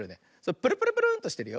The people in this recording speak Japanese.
プルプルプルンとしてるよ。